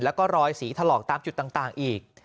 แล้วก็รอยสีถลอกตามจุดต่างอีก